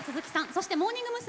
そしてモーニング娘。